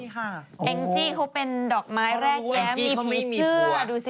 แองจี้เขาเป็นดอกไม้แรกแล้วมีผีเสื้อดูสิ